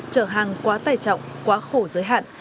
chở hàng quá tài trọng quá khổ giới hạn